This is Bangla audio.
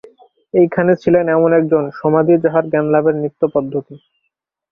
এইখানে ছিলেন এমন একজন, সমাধিই যাঁহার জ্ঞানলাভের নিত্য পদ্ধতি।